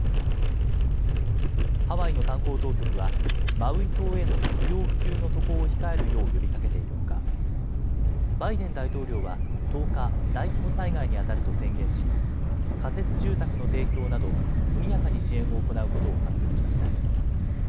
ハワイの観光当局は、マウイ島への不要不急の渡航を控えるよう呼びかけているほか、バイデン大統領は１０日、大規模災害に当たると宣言し、仮設住宅の提供など、速やかに支援を行うことを発表しました。